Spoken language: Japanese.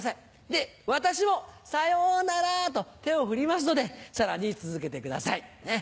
で私も「さよなら」と手を振りますのでさらに続けてくださいねっ。